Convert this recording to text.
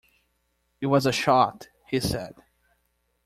"It was a shot," he said.